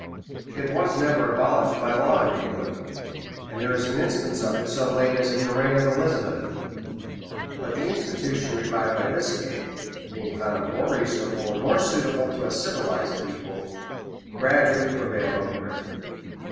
It was never abolished by law in England; and there is an instance of it so late as the reign of Elizabeth: but the institution revived by this king, being found more reasonable and more suitable to a civilized people, gradually prevailed over it.